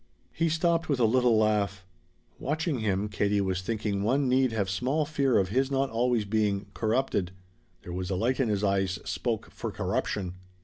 He stopped with a little laugh. Watching him, Katie was thinking one need have small fear of his not always being "corrupted." There was a light in his eyes spoke for "corruption."